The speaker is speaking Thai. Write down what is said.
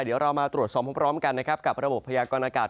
เดี๋ยวเรามาตรวจสอบพร้อมกันนะครับกับระบบพยากรณากาศ